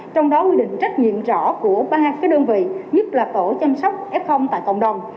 trong đó quy định trách nhiệm rõ của ba đơn vị nhất là tổ chăm sóc f tại cộng đồng